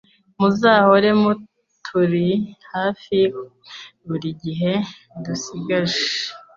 muzahore muturi hafi buri bihe dusigaje.